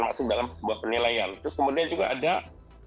terus kemudian juga ada persyaratan dan kemudian juga ada keuntungan